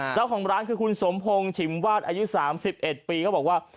เจ้าของร้านคือคุณสมพงศ์ฉิมวาดอายุ๓๑ปีเขาบอกว่า